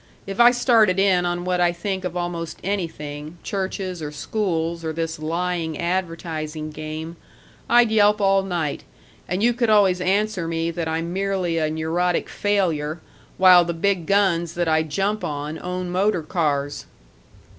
If I started in on what I think of almost anything churches or schools, or this lying advertising game I'd yelp all night, and you could always answer me that I'm merely a neurotic failure, while the big guns that I jump on own motor cars."